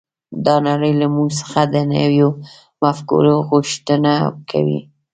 دا نړۍ له موږ څخه د نويو مفکورو غوښتنه کوي.